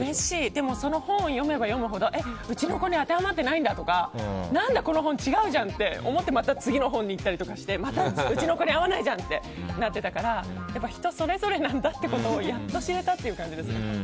でもその本を読めば読むほどうちの子に当てはまってないとかこの本違うじゃんとか思ってまた次の本にいったりしてまたうちの子に合わないじゃんってなってたから人それぞれなんだっていうことをやっと知れたっていう感じですね。